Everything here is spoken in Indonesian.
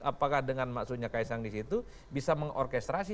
apakah dengan maksudnya kaisang di situ bisa mengorkestrasi